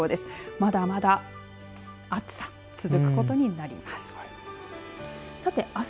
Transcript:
まだまだ暑さ、続くことになります。